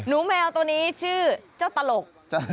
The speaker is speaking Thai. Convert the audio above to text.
แมวตัวนี้ชื่อเจ้าตลก